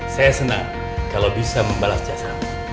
saya senang kalau bisa membalas jasa